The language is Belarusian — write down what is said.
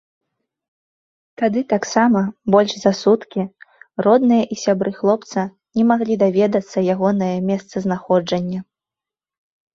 Тады таксама больш за суткі родныя і сябры хлопца не маглі даведацца ягонае месцазнаходжанне.